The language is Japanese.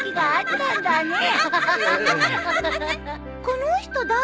この人誰？